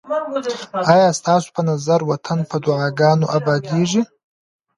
آیا ستاسو په نظر وطن په دعاګانو اباديږي؟